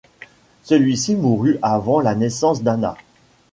Celui-ci mourut avant la naissance d’Anna.